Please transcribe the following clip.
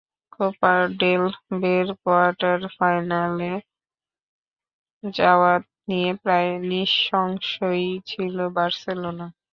Copa del রের quarter ফাইনালে যাওয়া নিয়ে প্রায় নিঃসংশয়ই ছিল বার্সেলোনা।